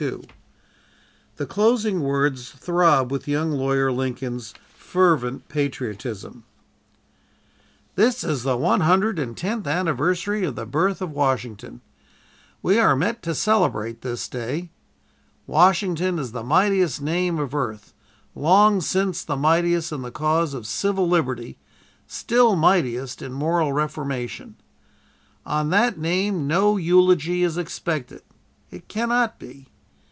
The closing words throb with young Lawyer Lincoln's fervent patriotism: "This is the one hundred and tenth anniversary of the birth of Washington; we are met to celebrate this day. Washington is the mightiest name of earth, long since the mightiest in the cause of civil liberty, still mightiest in moral reformation. On that name no eulogy is expected. It cannot be.